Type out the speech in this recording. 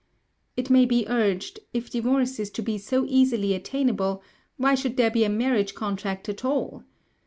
It may be urged: if divorce is to be so easily attainable, why should there be a marriage contract at all?